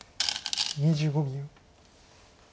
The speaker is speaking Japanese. ２５秒。